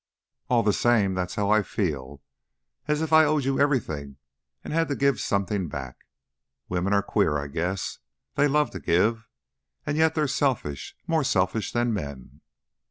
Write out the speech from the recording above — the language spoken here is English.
"All the same that's how I feel as if I owed you everything and had to give something back. Women are queer, I guess. They love to give. And yet they're selfish more selfish than men."